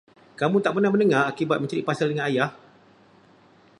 Kamu tak pernah mendengar akibat mencari pasal dengan ayah?